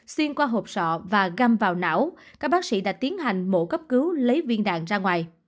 xuyên qua hộp sọ và găm vào não các bác sĩ đã tiến hành mổ cấp cứu lấy viên đạn ra ngoài